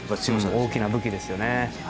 大きな武器ですね。